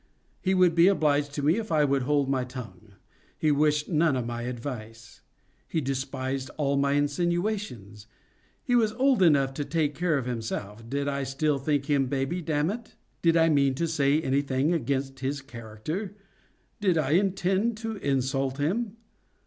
He would be obliged to me if I would hold my tongue. He wished none of my advice. He despised all my insinuations. He was old enough to take care of himself. Did I still think him baby Dammit? Did I mean to say any thing against his character? Did I intend to insult him?